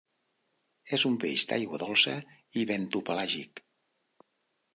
És un peix d'aigua dolça i bentopelàgic.